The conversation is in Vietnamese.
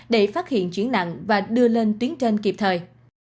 để phát hiện chuyển nặng và đưa lên tuyến trên kịp thời